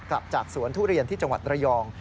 กลับจากสวนทุเรียนที่จังหวัดระยอง